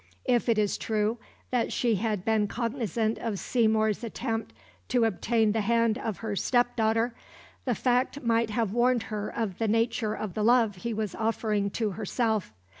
If it is true that she had been cognisant of Seymour's attempt to obtain the hand of her step daughter, the fact might have warned her of the nature of the love he was offering to herself.